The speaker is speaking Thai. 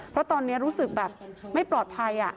เพราะตอนนี้รู้สึกแบบไม่ปลอดภัย